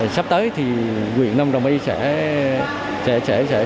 sắp tới thì nguyễn long đồng ý sẽ